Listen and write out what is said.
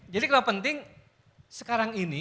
jadi kalau penting sekarang ini